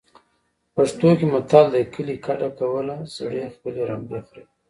پښتو کې متل دی. کلی کډه کوله زړې خپلې رمبې خریلې.